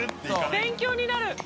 勉強になる。